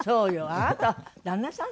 あなた旦那さん